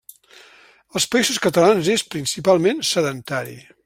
Als Països Catalans és, principalment, sedentari.